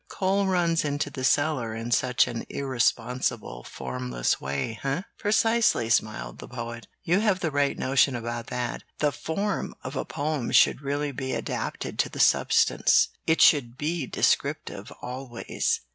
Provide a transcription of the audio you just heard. Coal runs into the cellar in such an irresponsible, formless way, eh?" "Precisely," smiled the Poet. "You have the right notion about that. The form of a poem should really be adapted to the substance. It should be descriptive, always.